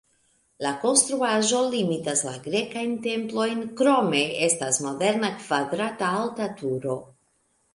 La konstruaĵo imitas la grekajn templojn, krome estas moderna kvadrata alta turo.